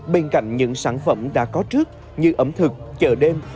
bên cạnh những sản phẩm đã có trước như ẩm thực chợ đêm